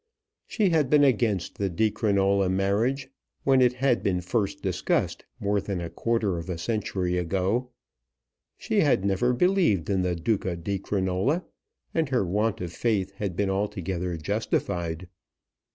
She had been against the Di Crinola marriage, when it had been first discussed more than a quarter of a century ago. She had never believed in the Duca di Crinola, and her want of faith had been altogether justified.